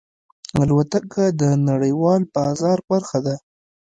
الوتکه د نړیوال بازار برخه ده.